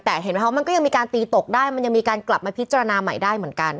แต่เห็นไหมคะมันก็ยังมีการตีตกได้มันยังมีการกลับมาพิจารณาใหม่ได้เหมือนกัน